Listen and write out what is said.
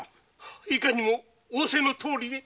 いかにも仰せのとおりに。